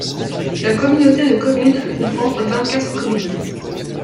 La communauté de communes comprend vingt-quatre communes.